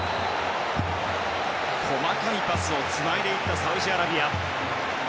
細かいパスをつないでいったサウジアラビア。